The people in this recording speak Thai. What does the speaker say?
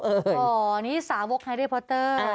อ๋ออันนี้สาวกแฮร์รี่พอร์เตอร์